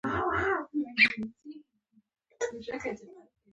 موټر که خراب شي، تنګوي.